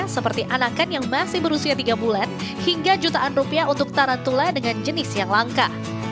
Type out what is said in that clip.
seperti anakan yang masih berusia tiga bulan hingga jutaan rupiah untuk tarantula dengan jenis yang langka